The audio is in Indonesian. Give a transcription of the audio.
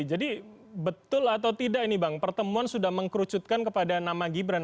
jadi betul atau tidak ini bang pertemuan sudah mengkerucutkan kepada nama gibran